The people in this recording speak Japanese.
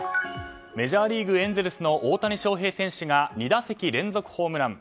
メジャーリーグエンゼルスの大谷翔平選手が２打席連続ホームラン。